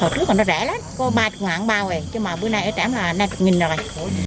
hồi trước hồi trước nó rẻ lắm có ba mươi ngàn bao rồi chứ mà bữa nay ở trãm là năm mươi nghìn rồi